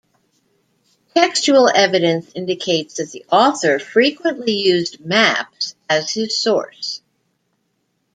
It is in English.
Textual evidence indicates that the author frequently used maps as his source.